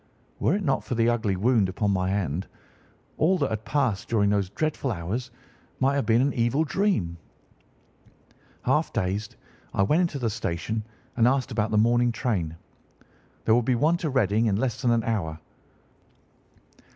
Were it not for the ugly wound upon my hand, all that had passed during those dreadful hours might have been an evil dream. "Half dazed, I went into the station and asked about the morning train. There would be one to Reading in less than an hour.